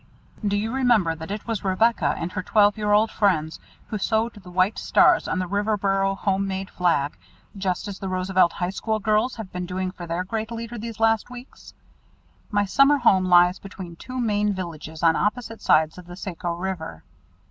Do you remember that it was Rebecca and her twelve year old friends who sewed the white stars on the Riverboro home made flag, just as the Roosevelt High School girls have been doing for their great leader these last weeks? My summer home lies between two Maine villages on opposite sides of the Saco River.